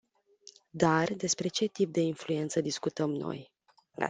Dar, despre ce tip de influență discutăm noi?